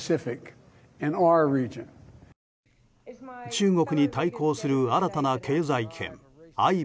中国に対抗する新たな経済圏